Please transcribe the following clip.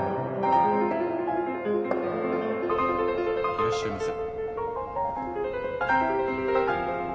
いらっしゃいませ。